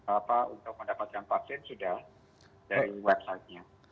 untuk mendapatkan vaksin sudah dari website nya